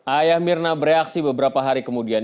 ayah mirna bereaksi beberapa hari kemudian